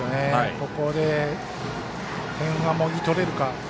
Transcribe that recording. ここで点はもぎ取れるか。